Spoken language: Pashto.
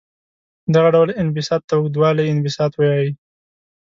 دغه ډول انبساط ته اوږدوالي انبساط وايي.